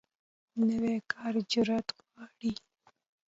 نوی کار جرئت غواړي